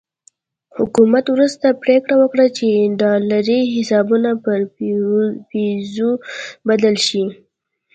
حکومت وروسته پرېکړه وکړه چې ډالري حسابونه پر پیزو بدل شي.